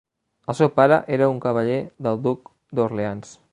El seu pare era un cavaller del duc d'Orleans.